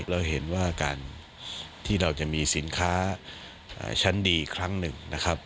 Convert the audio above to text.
เราเห็นว่าการที่เราจะมีสินค้าชั้นดีอีกครั้งหนึ่งนะครับ